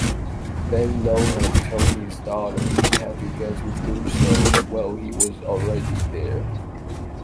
Ben Lohan told his daughter he had to get to Brussels while he was already there.